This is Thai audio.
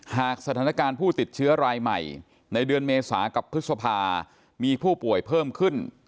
หากสถานการณ์ผู้ติดเชื้อรายใหม่ในเดือนเมษากับพฤษภามีผู้ป่วยเพิ่มขึ้น